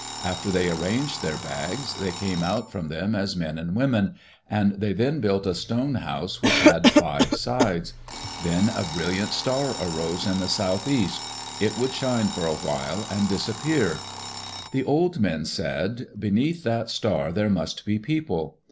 After they arranged their bags they came out from them as men and women, and they then built a stone house which had five sides. Then a brilliant star arose in the southeast. It would shine for a while and disappear. The old men said, "'Beneath that star there must be people."